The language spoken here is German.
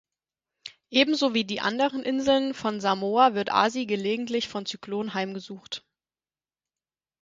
Ebenso wie die anderen Inseln von Samoa wird Asi gelegentlich von Zyklonen heimgesucht.